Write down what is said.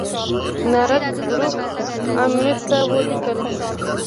نارت بروک امیر ته ولیکل.